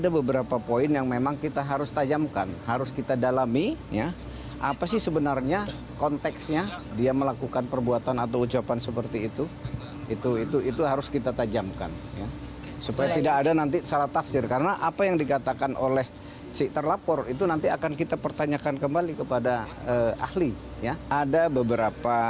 berita terkini mengenai penyelidikan bupati belitung timur